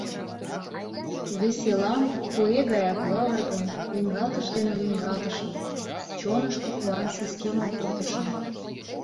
Веселам, куэ гаяк лывыргым, лӱҥгалтыш дене лӱҥгалтшым, чонышко куан сескемым пуртышым: